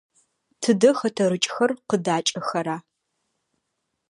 Тыдэ хэтэрыкӏхэр къыдакӏэхэра?